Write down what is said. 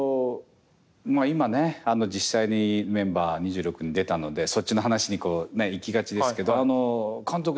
今ね実際にメンバー２６人出たのでそっちの話に行きがちですけど監督